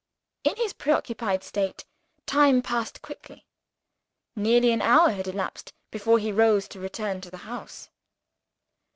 In his preoccupied state, time passed quickly. Nearly an hour had elapsed before he rose to return to the house.